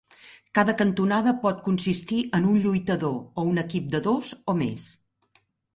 Cada cantonada pot consistir en un lluitador, o un equip de dos o més.